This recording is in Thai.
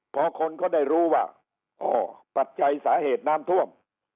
พอคนเขาได้รู้ว่าอ๋อปัจจัยสาเหตุน้ำท่วม